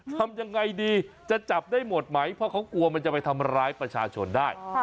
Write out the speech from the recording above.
ทำยังไงดีจะจับได้หมดไหมเพราะเขากลัวมันจะไปทำร้ายประชาชนได้